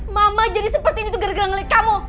mama jadi seperti ini tuh gara gara ngeliat kamu